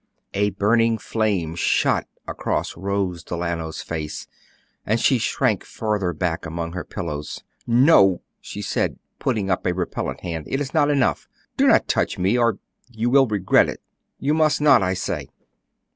A burning flame shot across Rose Delano's face, and she shrank farther back among her pillows. "No," she said, putting up a repellent hand; "it is not enough. Do not touch me, or you will regret it. You must not, I say."